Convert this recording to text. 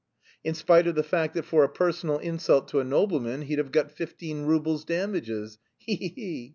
"In spite of the fact that for a personal insult to a nobleman he'd have got fifteen roubles damages! He he he!"